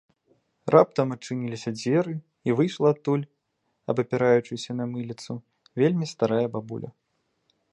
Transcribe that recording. Раптам адчыніліся дзверы, і выйшла адтуль, абапіраючыся на мыліцу, вельмі старая бабуля